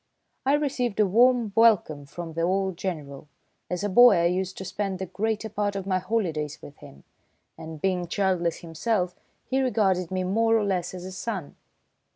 I received a warm welcome from the old General. As a boy I used to spend the greater part of my holidays with him, and being childless himself, he regarded me more or less as a son.